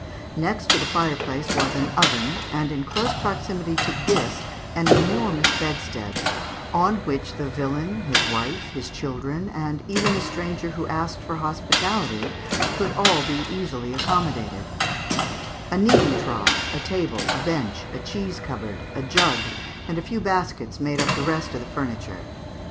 Next to the fireplace was an oven, and in close proximity to this an enormous bedstead, on which the villain, his wife, his children, and even the stranger who asked for hospitality, could all be easily accommodated; a kneading trough, a table, a bench, a cheese cupboard, a jug, and a few baskets made up the rest of the furniture.